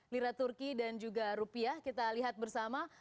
lira turki dan juga rupiah kita lihat bersama